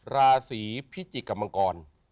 ราศีพิจิกกับมังกร